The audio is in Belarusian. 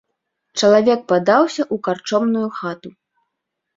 Чалавек падаўся ў карчомную хату.